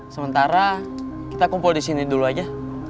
sementara kita kumpul disini dulu aja